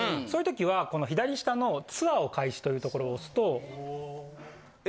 そういうときは、この左下のツアーを開始というところを押すと。